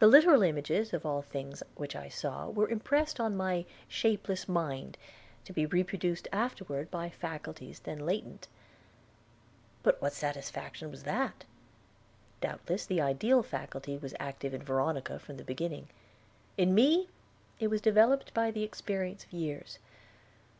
The literal images of all things which I saw were impressed on my shapeless mind, to be reproduced afterward by faculties then latent. But what satisfaction was that? Doubtless the ideal faculty was active in Veronica from the beginning; in me it was developed by the experience of years.